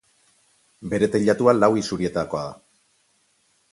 Bere teilatua lau isurietakoa da.